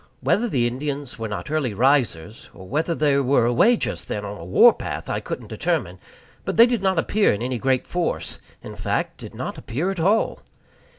Whether the Indians were not early risers, or whether they were away just then on a war path, I couldn't determine; but they did not appear in any great force in fact, did not appear at all.